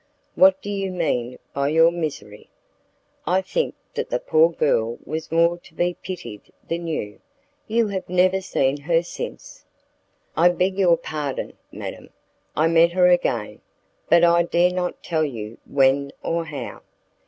"What do you mean by your misery? I think that the poor girl was more to be pitied than you. You have never seen her since?" "I beg your pardon, madam; I met her again, but I dare not tell you when or how."